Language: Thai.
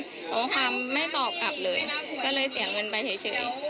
เพราะว่าความไม่ตอบกลับเลยก็เลยเสียเงินไปเฉย